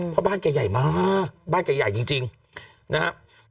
เพราะบ้านแกใหญ่มากบ้านแกใหญ่จริงนะครับ